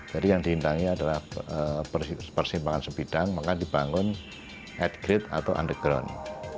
jadi yang dihintangi adalah persimpangan sebidang maka dibangun at grade atau underground